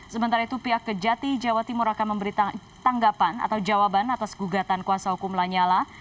sementara itu pihak kejati jawa timur akan memberi tanggapan atau jawaban atas gugatan kuasa hukum lanyala